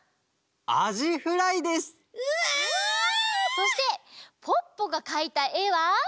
そしてポッポがかいたえは？